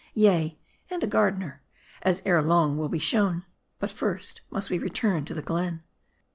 Yea, and a gardener, as ere long will be shown. But first must we return to the glen.